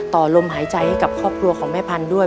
ต่อลมหายใจให้กับครอบครัวของแม่พันธุ์ด้วย